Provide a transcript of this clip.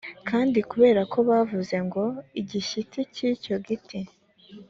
kandi kubera ko bavuze ngo igishyitsi cy icyo giti